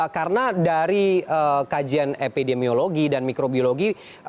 karena dari kajian epidemiologi dan mikrobiologi